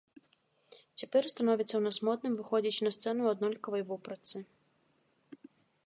Цяпер становіцца ў нас модным выходзіць на сцэну ў аднолькавай вопратцы.